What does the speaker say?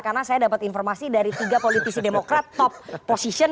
karena saya dapat informasi dari tiga politisi demokrat top position